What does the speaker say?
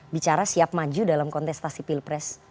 bicara siap maju dalam kontestasi pilpres